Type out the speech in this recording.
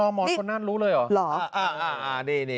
หมอคนนั้นรู้เลยเหรอ